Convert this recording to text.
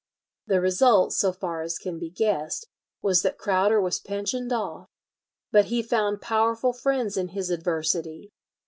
The result, so far as can be guessed, was that Crowder was pensioned off. But he found powerful friends in his adversity.